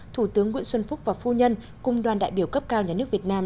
thủ tướng nguyễn xuân phúc và phu nhân cùng đoàn đại biểu cấp cao nhà nước việt nam